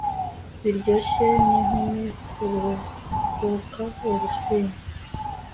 biryoshye n'inkumi, aruhuka ubusinzi